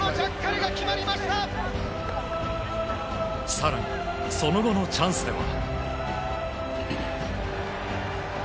更に、その後のチャンスでは。